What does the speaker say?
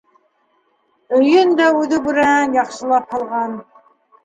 Өйөн дә үҙе бүрәнәнән яҡшылап һалған.